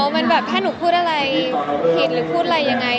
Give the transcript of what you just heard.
มันแบบถ้าหนูพูดอะไรผิดหรือพูดอะไรยังไง